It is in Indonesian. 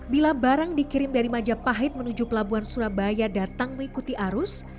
bila barang dikirim dari majapahit menuju pelabuhan surabaya datang mengikuti arus